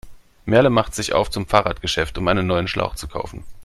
Merle macht sich auf zum Fahrradgeschäft, um einen neuen Schlauch zu kaufen.